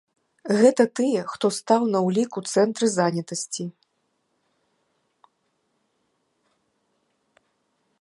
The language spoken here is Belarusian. Гэта тыя, хто стаў на ўлік у цэнтры занятасці.